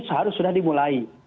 seharusnya sudah dimulai